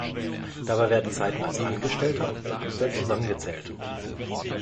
Dabei werden Zeiten als Angestellter und Beamter zusammengezählt.